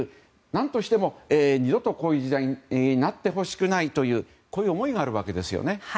何としても二度とこういう時代になってほしくないという思いがあるわけですよね。